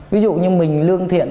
ví dụ như mình lương thiện